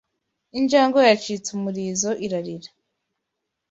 Injangwe yacitse umurizo irarira